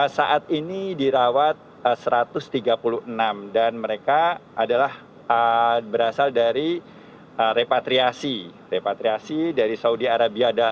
saat ini dirawat satu ratus tiga puluh enam dan mereka adalah berasal dari repatriasi